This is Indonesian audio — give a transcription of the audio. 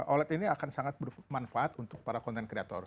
oled ini akan sangat bermanfaat untuk para konten kreator